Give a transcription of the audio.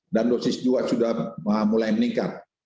dan dosis dua sudah mulai meningkat